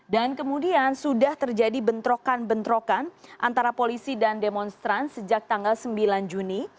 dan kemudian sudah terjadi bentrokan bentrokan antara polisi dan demonstran sejak tanggal sembilan juni